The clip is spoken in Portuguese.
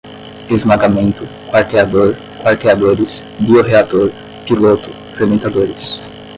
esmagamento, quarteador, quarteadores, biorreator, piloto, fermentadores